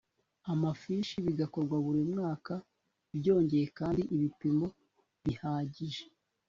amafishi bigakorwa buri mwaka byongeye kandi ibipimo bihagije